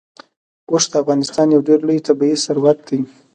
اوښ د افغانستان یو ډېر لوی طبعي ثروت دی.